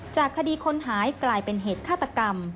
จากคดีคนหายกลายเป็นเหตุฆาตกรรม